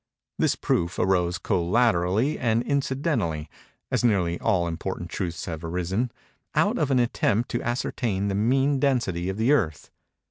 This proof arose collaterally and incidentally (as nearly all important truths have arisen) out of an attempt to ascertain the mean density of the Earth.